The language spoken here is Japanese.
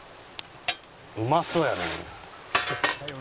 うまそうやね。